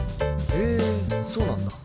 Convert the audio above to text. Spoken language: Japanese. へそうなんだ